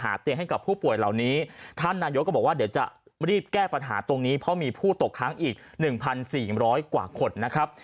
หาเตียงให้กับผู้ป่วยเหล่านี้ท่านนายก็บอกว่าเดี๋ยวจะรีบแก้ปัญหาตรงนี้เพราะมีผู้ตกทั้งอีก๑๔๐๐กว่าคนนะครับ